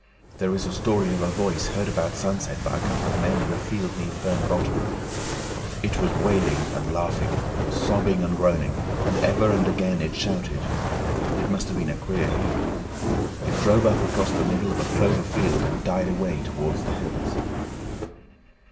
There is a story of a voice heard about sunset by a couple of men in a field near Fern Bottom. It was wailing and laughing, sobbing and groaning, and ever and again it shouted. It must have been queer hearing. It drove up across the middle of a clover field and died away towards the hills.